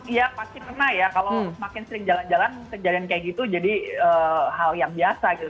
iya pasti pernah ya kalau semakin sering jalan jalan kejadian kayak gitu jadi hal yang biasa gitu